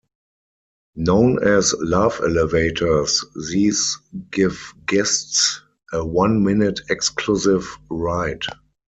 Known as Love Elevators, these give guests a one-minute exclusive ride.